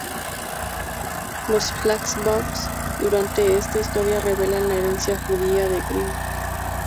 Los flashbacks durante esta historia revelan la herencia judía de Grimm.